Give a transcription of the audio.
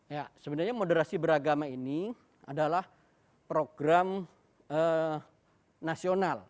ya sebenarnya moderasi beragama ini adalah program nasional